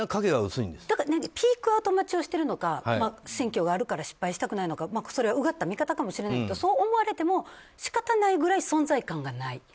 ピークアウト待ちをしているのか選挙があるから失敗したくないのかうがった見方かもしれないですがそう思われても仕方ないぐらい存在感がない。